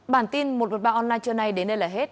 bản tin một trăm một mươi ba online trưa nay đến đây là hết